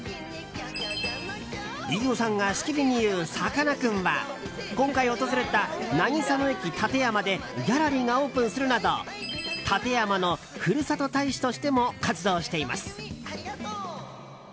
飯尾さんがしきりに言うさかなクンは今回訪れた渚の駅たてやまでギャラリーがオープンするなど館山のふるさと大使としても活動しています。